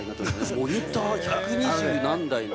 モニター百二十何台の。